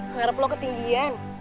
ngerep lo ketinggian